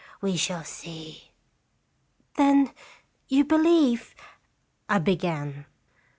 We shall see.' "" Then you believe ?" I began.